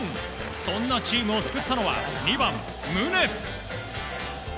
そんなチームを救ったのは２番、宗。